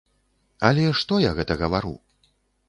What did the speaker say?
Але што я гэта гавару?